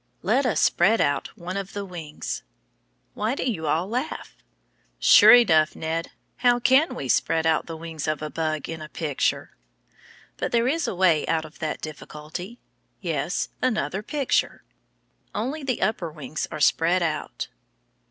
Let us spread out one of the wings. Why do you all laugh? Sure enough, Ned, how can we spread out the wings of a bug in a picture? But there is a way out of that difficulty. Yes, another picture. Only the upper wings are spread out.